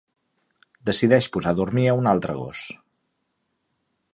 Decideix posar a dormir a un altre gos.